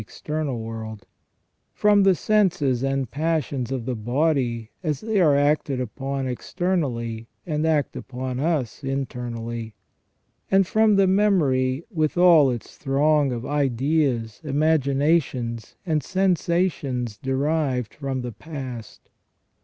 external world ; from the senses and passions of the body, as they are acted upon externally and act upon us internally ; and from the memory with all its throng of ideas, imaginations, and sensa tions derived from the past.